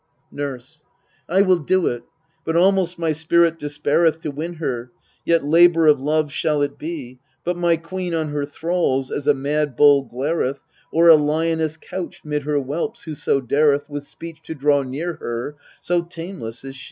Nurse. I will do it ; but almost my spirit despaireth To win her ; yet labour of love shall it be. But my queen on her thralls as a mad bull glareth, Or a lioness couched mid her whelps, whoso dareth With speech to draw near her, so tameless is she.